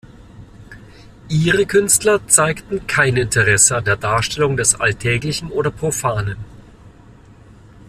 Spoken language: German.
Ihre Künstler zeigten kein Interesse an der Darstellung des Alltäglichen oder Profanen.